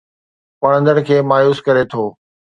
پڙهندڙ کي مايوس ڪري ٿو